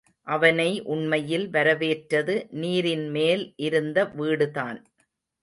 அவனை உண்மையில் வரவேற்றது நீரின்மேல் இருந்த வீடுதான்.